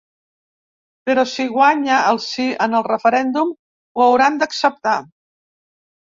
Però si guanya el sí en el referèndum, ho hauran d’acceptar.